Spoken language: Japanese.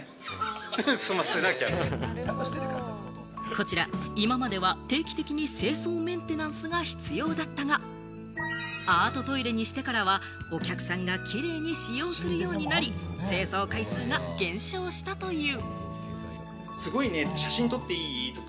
こちら、今までは定期的に清掃メンテナンスが必要だったが、アートトイレにしてからは、お客さんがキレイに使用するようになり、清掃回数が減少したという。